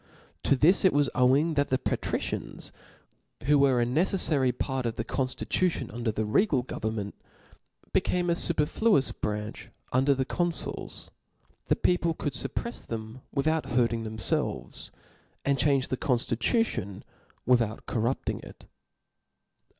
To this it was owing that the . Patricians, who were 2l neceflary part of the con llitution under the regal government, became a iuperfluous branch under the confuls ; the peo ple cqqld fupprefs them without hurting themr felves, 4nd change the conftjtution without cor? rupting it.